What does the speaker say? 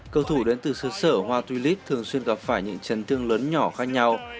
cầu thủ đến từ xứ sở hoa tuy líp thường xuyên gặp phải những chấn thương lớn nhỏ khác nhau